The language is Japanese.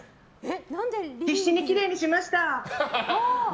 必死にきれいにしました！